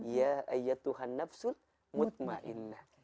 ya ayatuhan nafsu lemut ma'inah